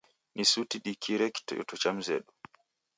Ni suti dikire kiteto cha mzedu.